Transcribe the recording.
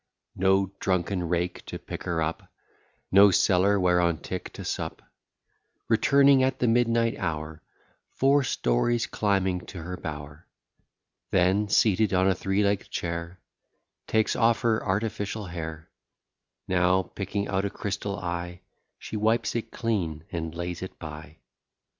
No drunken rake to pick her up, No cellar where on tick to sup; Returning at the midnight hour, Four stories climbing to her bower; Then, seated on a three legg'd chair, Takes off her artificial hair; Now picking out a crystal eye, She wipes it clean, and lays it by.